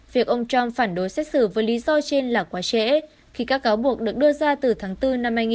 việc ông trump phản đối xét xử với lý do trên là quá trễ khi các cáo buộc được đưa ra từ tháng bốn năm hai nghìn một mươi